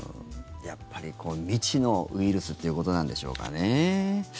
やっぱり未知のウイルスということなんでしょうかね。